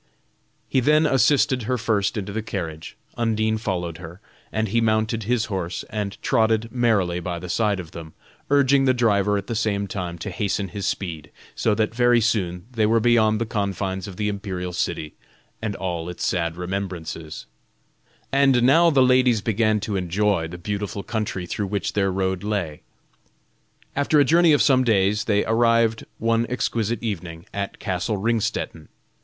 He then assisted her first into the carriage, Undine followed her; and he mounted his horse and trotted merrily by the side of them, urging the driver at the same time to hasten his speed, so that very soon they were beyond the confines of the imperial city and all its sad remembrances; and now the ladies began to enjoy the beautiful country through which their road lay. After a journey of some days, they arrived one exquisite evening, at castle Ringstetten.